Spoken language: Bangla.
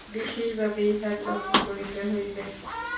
বিশেষভাবে ইহার যত্ন করিতে হইবে।